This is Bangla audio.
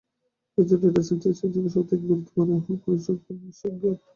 একজন ডেটা সাইন্টিস্ট এর জন্য সবথেকে গুরুত্বপূর্ণ হোল পরিসংখ্যান বিষয়ক জ্ঞান।